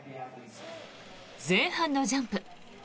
前半のジャンプ。